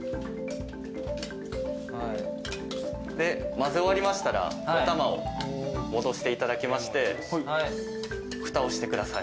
まぜ終わりましたらお玉を戻していただきましてふたをしてください。